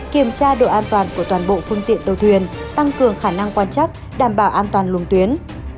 kiểm tra độ an toàn của toàn bộ phương tiện tàu thuyền tăng cường khả năng quan chắc đảm bảo an toàn luồng tuyến